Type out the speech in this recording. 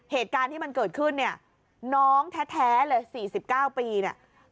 เหตุการณ์ที่มันเกิดขึ้นเนี้ยน้องแท้แท้เลยสี่สิบเก้าปีเนี้ย